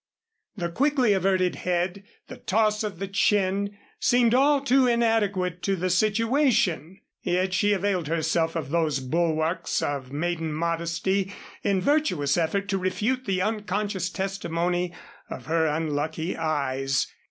The quickly averted head, the toss of the chin, seemed all too inadequate to the situation; yet she availed herself of those bulwarks of maiden modesty in virtuous effort to refute the unconscious testimony of her unlucky eyes.